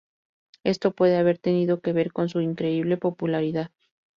Esto puede haber tenido que ver con su increíble popularidad.